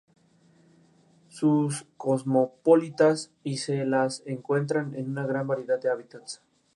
Desarrolló su carrera deportiva compitiendo en categorías nacionales e internacionales.